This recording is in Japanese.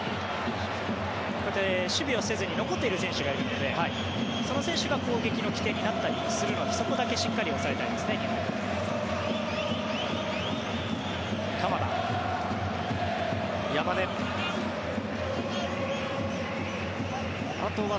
こうやって守備をせずに残っている選手がいるのでその選手が攻撃の起点になったりするのでそこだけしっかり抑えたいですね、日本は。